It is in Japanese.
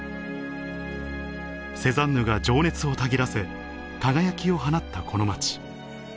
セザンヌが情熱をたぎらせ輝きを放ったこの街